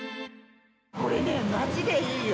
これねマジでいいよ。